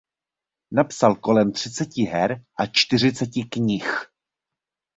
Napsal kolem třiceti her a čtyřiceti knih.